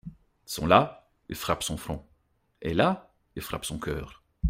Sont là — Il frappe son front. et là — Il frappe son cœur.